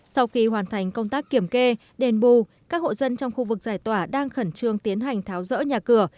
sau khi hoàn thành công tác kiểm kê đền bù các hộ dân trong khu vực giải tỏa đang khẩn trương tiến hành tháo rỡ nhà cửa